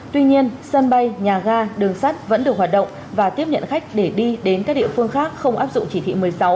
tuy nhiên sân bay nhà ga đường sắt vẫn được hoạt động và tiếp nhận khách để đi đến các địa phương khác không áp dụng chỉ thị một mươi sáu